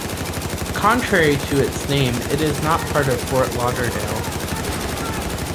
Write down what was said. Contrary to its name, it is not part of Fort Lauderdale.